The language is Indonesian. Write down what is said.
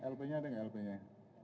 lp nya ada enggak